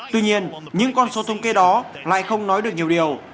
tuy nhiên những con số thống kê đó lại không nói được nhiều điều